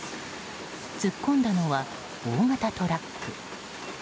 突っ込んだのは、大型トラック。